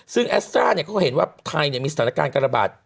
ซึ่งแอสตราเขาเห็นว่าไทยมีสถานการณ์การระบาด